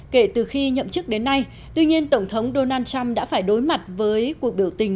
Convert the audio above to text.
kể từ khi nhậm chức đến nay tuy nhiên tổng thống donald trump đã phải đối mặt với cuộc biểu tình